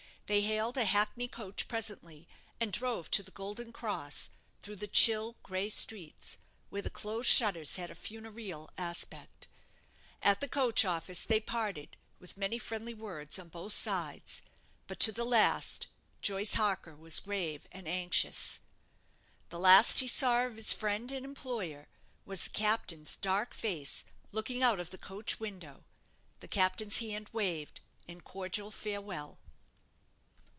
They hailed a hackney coach presently, and drove to the "Golden Cross," through the chill, gray streets, where the closed shutters had a funereal aspect. At the coach office they parted, with many friendly words on both sides; but to the last, Joyce Harker was grave and anxious. The last he saw of his friend and employer was the captain's dark face looking out of the coach window; the captain's hand waved in cordial farewell.